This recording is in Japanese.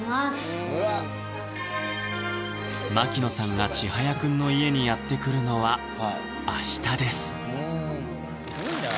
がちはやくんの家にやってくるのは明日です